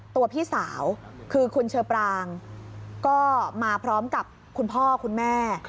พี่สาวคือคุณเชอปรางก็มาพร้อมกับคุณพ่อคุณแม่